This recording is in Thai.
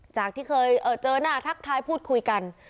จากที่เคยเจอหน้าทักทายพูดคุยกัน